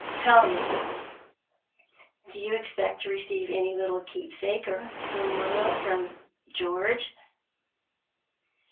Tell me, do you expect to receive any little keepsake or memorial from 'George'?